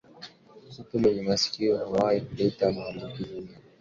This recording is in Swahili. Kupe mwenye masikio ya kahawia huleta maambukizi ya ndigana kali